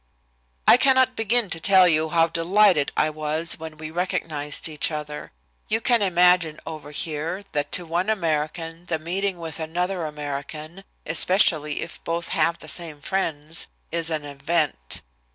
"I cannot begin to tell you how delighted I was when we recognized each other. You can imagine over here that to one American the meeting with another American, especially if both have the same friends, is an event.